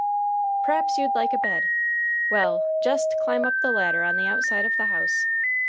"P'raps you'd like a bed. Well, jest climb up the ladder on the outside of the house.